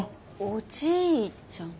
おじいちゃん？